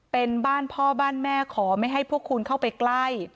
เป็นบ้านพ่อบ้านแม่ขอไม่ให้พวกคุณเข้าไปใกล้